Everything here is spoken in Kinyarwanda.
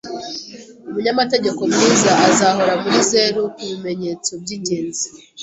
Umunyamategeko mwiza azahora muri zeru kubimenyetso byingenzi